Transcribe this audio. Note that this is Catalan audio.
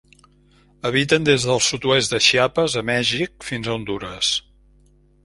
Habiten des del sud-oest de Chiapas, a Mèxic, fins a Hondures.